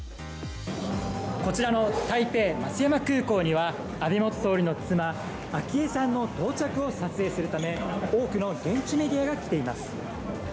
こちらの台北松山空港には安倍元総理の妻・昭恵さんの到着を撮影するため多くの現地メディアが来ています。